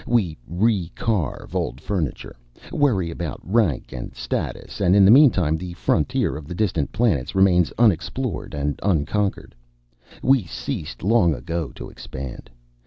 We re carve old furniture, worry about rank and status, and in the meantime the frontier of the distant planets remains unexplored and unconquered. We ceased long ago to expand.